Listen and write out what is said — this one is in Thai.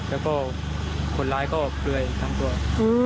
แล้วก็คนร้ายก็เปลือยทั้งตัว